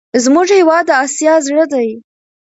زموږ هېواد د اسیا زړه دی.